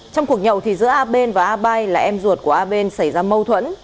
trong cuộc nhậu thì giữa a bên và a ba là em ruột của a bên xảy ra mâu thuẫn